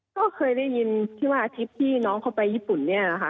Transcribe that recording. ก็เคยได้ยินที่ว่าทริปที่น้องเขาไปญี่ปุ่นเนี่ยนะคะ